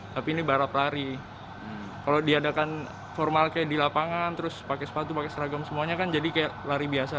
tapi ini balap lari kalau diadakan formal kayak di lapangan terus pakai sepatu pakai seragam semuanya kan jadi kayak lari biasa